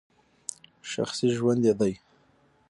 شخصي ژوند یې دی !